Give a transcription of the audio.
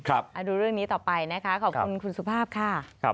เอาดูเรื่องนี้ต่อไปนะคะขอบคุณคุณสุภาพค่ะ